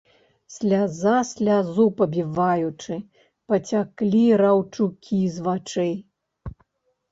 Сляза слязу пабіваючы, пацяклі раўчукі з вачэй.